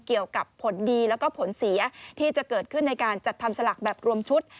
เกี่ยวกับผลดีแล้วก็ผลเสียที่จะเกิดขึ้นในการจัดทำสลากแบบรวมชุด